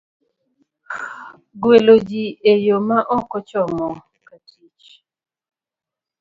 Gwelo Ji e Yo ma Ok ochomo katich,